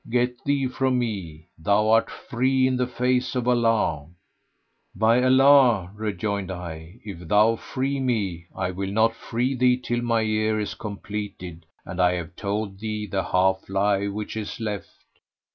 Get thee from me, thou art free in the face of Allah!" "By Allah," rejoined I, if thou free me, I will not free thee till my year is completed and I have told thee the half lie which is left.